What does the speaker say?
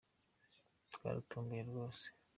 Twaratomboye rwose